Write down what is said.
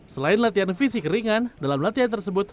selain latihan fisik ringan dalam latihan tersebut